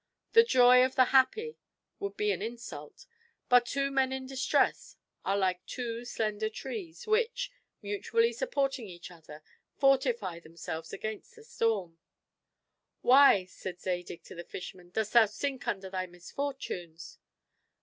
The joy of the happy would be an insult; but two men in distress are like two slender trees, which, mutually supporting each other, fortify themselves against the storm. "Why," said Zadig to the fisherman, "dost thou sink under thy misfortunes?"